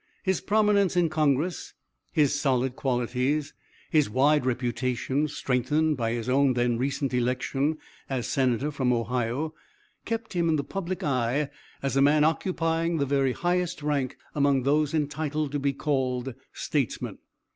His prominence in Congress, his solid qualities, his wide reputation, strengthened by his then recent election as Senator from Ohio, kept him in the public eye as a man occupying the very highest rank among those entitled to be called statesmen.